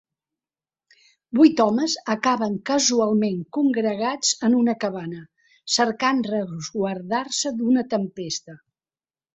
Vuit homes acaben casualment congregats en una cabana, cercant resguardar-se d’una tempesta.